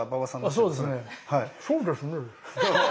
そうですね。